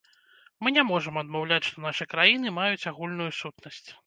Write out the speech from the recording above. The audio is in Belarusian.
Мы не можам адмаўляць, што нашы краіны маюць агульную сутнасць.